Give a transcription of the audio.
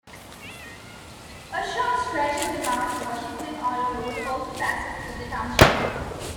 A short stretch of the Mount Washington Auto Road also passes through the township.